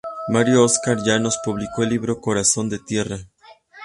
Mario Oscar Llanos publicó el libro "Corazón de Tierra.